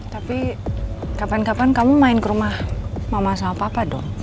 tapi kapan kapan kamu main ke rumah mama sama papa dong